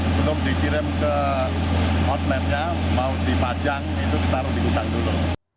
sebelum dikirim ke hotline nya mau dipajang itu ditaruh di gudang dulu